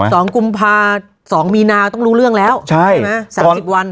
ทองกึมพาซอมมีนาต้องรู้เรื่องแล้วใช่ไหม